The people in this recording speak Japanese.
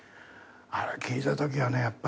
あれ聞いたときはね